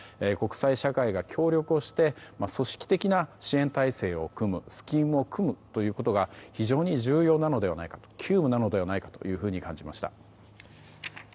国際社会が協力をして、組織的な支援体制を組むということが非常に重要なのではないか急務なのではないかというふうに感じました。